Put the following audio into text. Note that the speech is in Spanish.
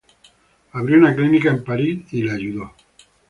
Abrió una clínica en París y le ayudó.